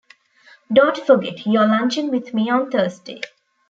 Don't forget, you're lunching with me on Thursday.